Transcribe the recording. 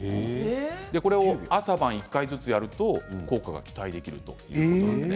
これを朝晩１回ずつやると効果が期待できるということです。